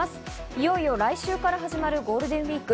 いよいよ来週から始まるゴールデンウイーク。